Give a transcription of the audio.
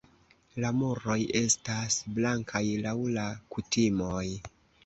La muroj estas blankaj laŭ la kutimoj.